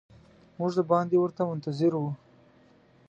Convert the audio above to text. موږ د باندې ورته منتظر وو.